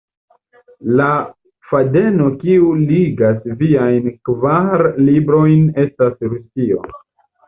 La fadeno kiu ligas viajn kvar librojn estas Rusio.